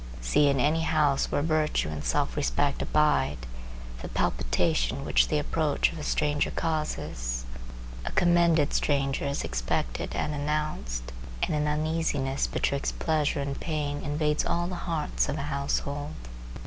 See, in any house where virtue and self respect abide, the palpitation which the approach of a stranger causes. A commended stranger is expected and announced, and an uneasiness betwixt pleasure and pain invades all the hearts of a household.